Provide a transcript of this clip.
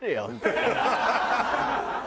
ハハハハ！